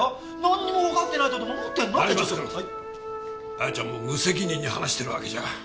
あやちゃんも無責任に話してるわけじゃ。